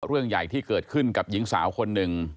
เรื่องใหญ่ที่เกิดขึ้นกับหญิงสาวคนหนึ่ง